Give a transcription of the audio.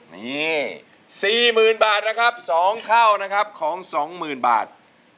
นี่๔๐๐๐บาทนะครับ๒เท่านะครับของ๒๐๐๐บาท